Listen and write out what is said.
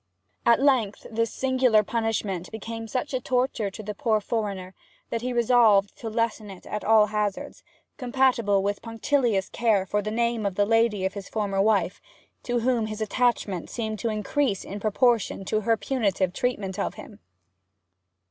At length this singular punishment became such a torture to the poor foreigner that he resolved to lessen it at all hazards, compatible with punctilious care for the name of the lady his former wife, to whom his attachment seemed to increase in proportion to her punitive treatment of him.